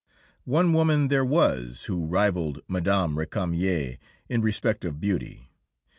One woman there was who rivalled Mme. Récamier in respect of beauty.